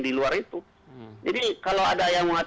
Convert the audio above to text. kalau masih ada